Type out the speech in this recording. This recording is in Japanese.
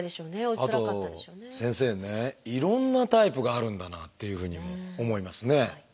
あと先生ねいろんなタイプがあるんだなっていうふうに思いますね。